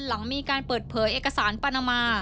หลังมีการเปิดเผยเอกสารปานามา